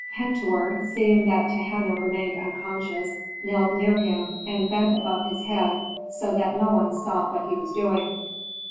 Pentuer, seeing that Tehenna remained unconscious, knelt near him and bent above his head so that no one saw what he was doing.